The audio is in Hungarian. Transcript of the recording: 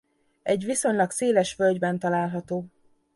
Egy viszonylag széles völgyben található.